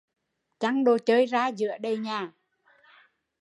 Chăng đồ chơi ra giữa đầy nhà